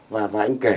và anh kể